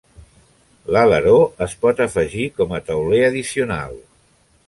L'aleró es pot afegir com a tauler addicional.